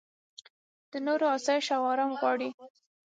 د نورو اسایش او ارام غواړې.